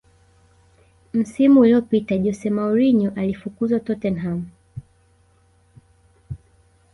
msimu uliopita jose mourinho alifukuzwa tottenham